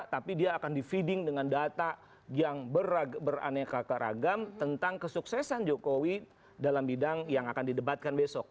tapi dia akan di feeding dengan data yang beraneka ragam tentang kesuksesan jokowi dalam bidang yang akan didebatkan besok